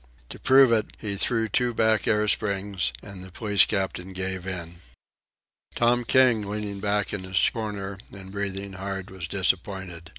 To prove it, he threw two back air springs, and the police captain gave in. Tom King, leaning back in his corner and breathing hard, was disappointed.